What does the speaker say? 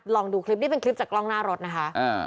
ลองดูคลิปนี้เป็นกรองหน้ารถนะคะ